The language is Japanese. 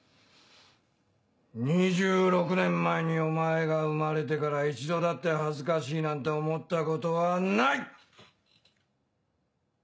２６年前にお前が生まれてから一度だって恥ずかしいなんて思ったことはない！